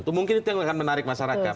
mungkin itu yang akan menarik masyarakat